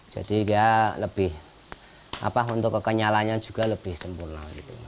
jadi ya lebih apa untuk kekenyalannya juga lebih sempurna